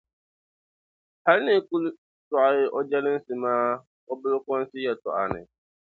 hali ni yi kuli sɔɣi o jɛlinsi maa o bilikɔnsi yɛltɔɣa ni.